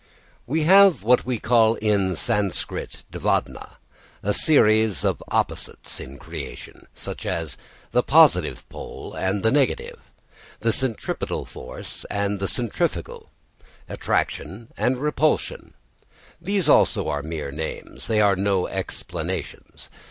We have what we call in Sanskrit dvandva, a series of opposites in creation; such as, the positive pole and the negative, the centripetal force and the centrifugal, attraction and repulsion. These are also mere names, they are no explanations.